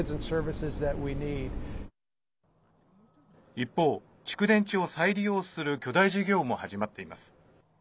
一方、蓄電池を再利用する巨大事業も始まっています。